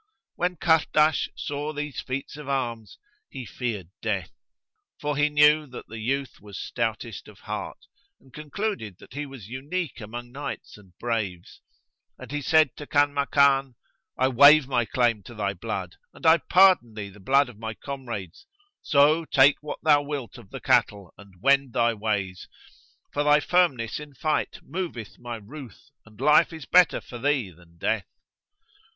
When Kahrdash saw these feats of arms, he feared death; for he knew that the youth was stoutest of heart and concluded that he was unique among knights and braves; and he said to Kanmakan, "I waive my claim to thy blood and I pardon thee the blood of my comrades: so take what thou wilt of the cattle and wend thy ways, for thy firmness in fight moveth my ruth and life is better for thee than death."